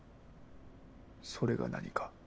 それが何か？